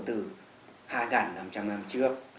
từ hai nghìn năm trăm linh năm trước